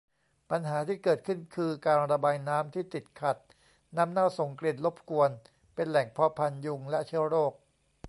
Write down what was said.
ปัญหาที่เกิดขึ้นคือ การระบายน้ำที่ติดขัด น้ำเน่าส่งกลิ่นรบกวน เป็นแหล่งเพาะพันธุ์ยุงและเชื้อโรค